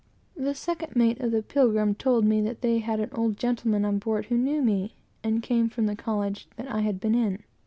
The second mate of the Pilgrim told me that they had an old gentleman on board who knew me, and came from the college that I had been in.